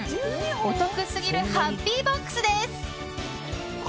お得すぎるハッピーボックスです。